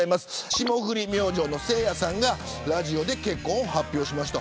霜降り明星のせいやさんがラジオで結婚を発表しました。